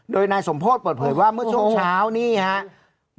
โดยนายสมโพธิเปิดเผยว่าเมื่อช่วงเช้านี่ครับ